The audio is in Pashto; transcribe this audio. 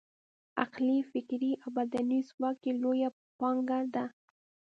عقلي، فکري او بدني ځواک یې لویه پانګه ده.